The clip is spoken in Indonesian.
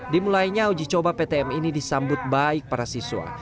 dimulainya uji coba ptm ini disambut baik para siswa